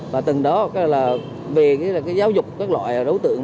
và từng đó cái là về cái giáo dục các loại đấu tượng